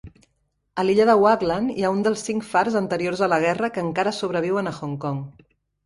A l'illa de Waglan hi ha un dels cinc fars anteriors a la guerra que encara sobreviuen a Hong Kong.